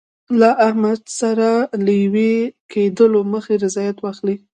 له احمدشاه سره له یو کېدلو مخکي رضایت واخلي.